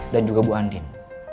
dan juga bu andin